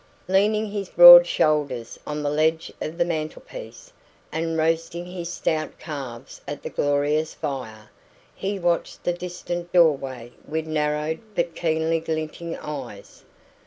Leaning his broad shoulders on the ledge of the mantelpiece, and roasting his stout calves at the glorious fire, he watched the distant doorway with narrowed but keenly glinting eyes.